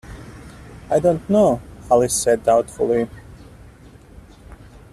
‘I don’t know,’ Alice said doubtfully.